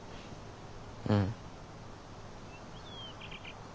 うん。